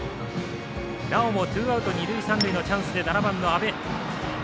なおもツーアウト二塁三塁のチャンスで７番の安部。